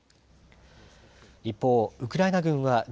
一方、ウクライナ軍は１８日、